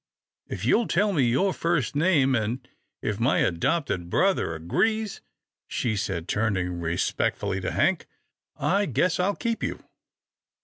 If you'll tell me your first name, and if my adopted brother agrees," she said, turning respectfully to Hank, " I guess I'll keep you."